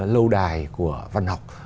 lâu đài của văn học